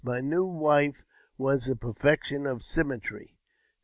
My new wife was the perfection of symmetry.